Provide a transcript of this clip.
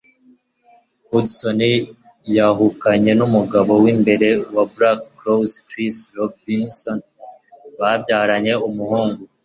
Hudson yahukanye n'umugabo w'imbere wa Black Crowes Chris Robinson babyaranye umuhungu.